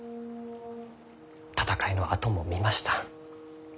戦いの跡も見ました。